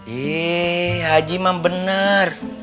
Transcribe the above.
ih haji mah bener